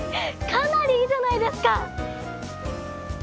かなりいいじゃないですか！